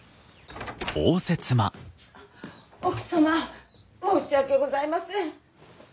奥様申し訳ございません。